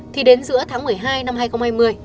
thì đến giữa tháng một mươi hai năm hai nghìn hai mươi